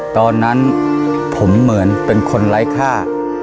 ตอนนั้นผมเหมือนเป็นคนไร้ค่า